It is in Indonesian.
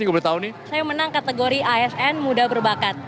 saya menang kategori asn muda berbakat